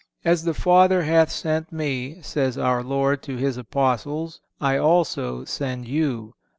"As the Father hath sent Me," says our Lord to His Apostles, "I also send you."